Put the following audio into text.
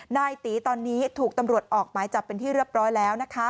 นายตีตอนนี้ถูกตำรวจออกหมายจับเป็นที่เรียบร้อยแล้วนะคะ